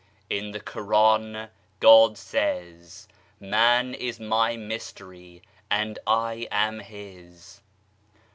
1 ' 1 In the Quran, God says, " Man is my Mystery and I am his."